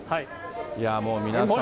もう皆さん。